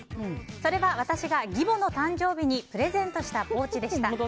それは、私が義母の誕生日にプレゼントしたポーチでした。